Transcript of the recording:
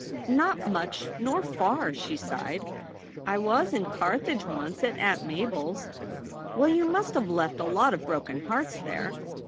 "Not much nor far," she sighed. "I was in Carthage once at Aunt Mabel s." "Well, you must have left a lot of broken hearts there."